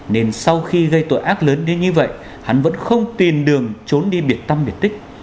nên sau khi gây tội ác lớn đến như vậy hắn vẫn không tìm đường trốn đi biệt tâm biệt tích